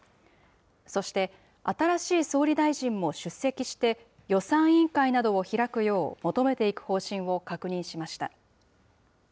そして、新しい総理大臣も出席して、予算委員会などを開くよう求めていく方針を確認しました。